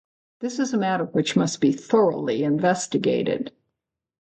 This is a matter which must be thoroughly investigated.